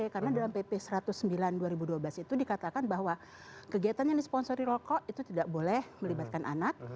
karena dalam pp satu ratus sembilan dua ribu dua belas itu dikatakan bahwa kegiatan yang disponsori rokok itu tidak boleh melibatkan anak